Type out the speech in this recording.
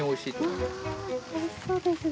わぁおいしそうですね。